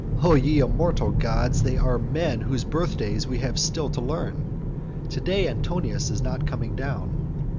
O ye immortal gods, they are men whose birthdays we have still to learn. To day Antonius is not coming down.